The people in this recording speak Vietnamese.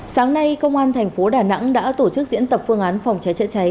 sáng nay công an thành phố đà nẵng đã tổ chức diễn tập phương án phòng cháy chữa cháy